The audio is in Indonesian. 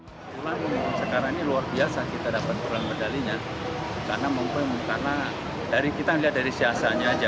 sekarang ini luar biasa kita dapat perlembagaan medalinya karena mungkin karena kita melihat dari siasatnya saja